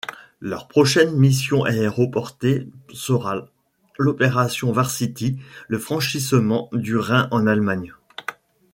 Leur prochaine mission aéroportée sera l'opération Varsity, le franchissement du Rhin en Allemagne.